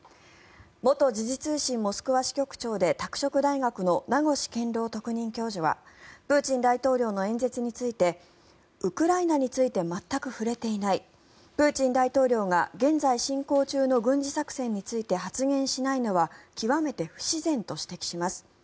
元時事通信モスクワ支局長で拓殖大学の名越健郎特任教授はプーチン大統領の演説についてウクライナについて全く触れていないプーチン大統領が現在進行中の軍事作戦について発言しないのは極めて不自然と指摘します。